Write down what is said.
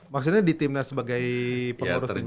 maksudnya di timnas sebagai pengurus tim